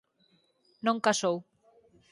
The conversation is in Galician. Non casou.